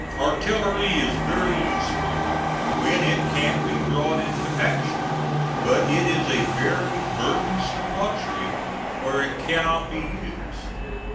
Artillery is very useful when it can be brought into action, but it is a very burdensome luxury where it cannot be used.